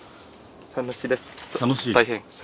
楽しいです。